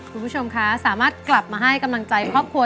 คุณผู้ชมคะสามารถกลับมาให้กำลังใจครอบครัว